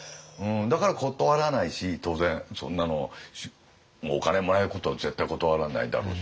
だから断らないし当然そんなのお金もらえることを絶対断らないだろうしね。